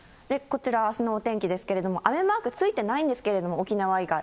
こちら、あすのお天気ですけれども、雨マークついてないんですけれども、沖縄以外。